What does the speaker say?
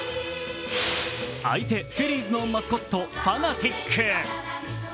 相手フィリーズのマスコット、ファナティック。